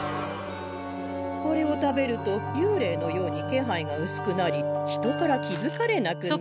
これを食べるとゆうれいのように気配がうすくなり人から気付かれなくなる。